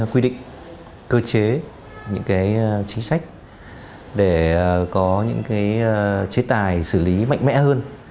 quy định cơ chế những chính sách để có những chế tài xử lý mạnh mẽ hơn